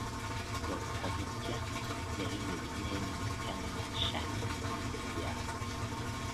Cột thật chắc để dựng lên những căn nhà sản như bây giờ